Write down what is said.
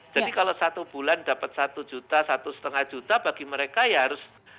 jadi kalau satu bulan dapat satu juta satu lima juta bagi mereka ya harus